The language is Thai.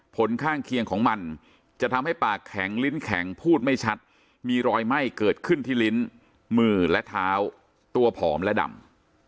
ผลข้างเคียงของมันจะทำให้ปากแข็งลิ้นแข็งพูดไม่ชัดมีรอยไหม้เกิดขึ้นที่ลิ้นมือและเท้าตัวผอมและดำ